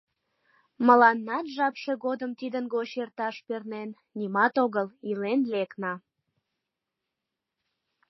Мыланнат жапше годым тидын гоч эрташ пернен, нимат огыл, илен лекна.